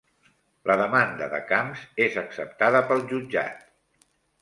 La demanda de Camps és acceptada pel jutjat